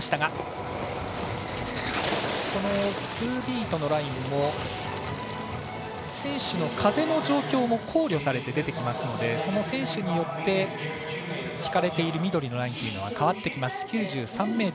トゥービートのラインも選手の風の状況も考慮されて出てきますのでその選手によって引かれている緑のラインは変わってきます。